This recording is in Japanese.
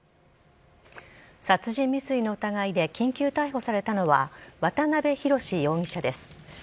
殺人未遂の疑いで緊急逮捕されたのは渡辺宏容疑者です。